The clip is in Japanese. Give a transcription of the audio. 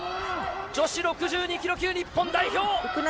女子６２ｋｇ級日本代表。